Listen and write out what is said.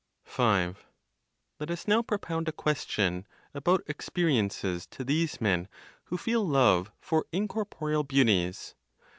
5. Let us now propound a question about experiences to these men who feel love for incorporeal beauties.